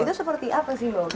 itu seperti apa sih mbak oki